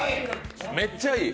めっちゃいい！